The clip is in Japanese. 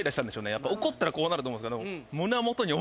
やっぱ怒ったらこうなると思うんですけど。